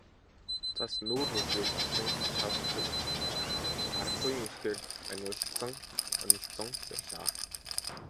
Цас нүүр нүдгүй лавшин шавах тул аргагүйн эрхээр анивалзан онилзон явлаа.